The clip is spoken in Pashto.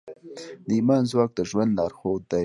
د ایمان ځواک د ژوند لارښود دی.